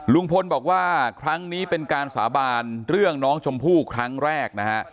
ลุงพลบอกว่าครั้งนี้เป็นการสาบานเรื่องน้องชมพู่ครั้งแรกนะฮะ